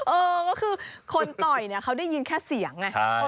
เออก็คือคนต่อยเนี่ยเขาได้ยินแค่เสียงไง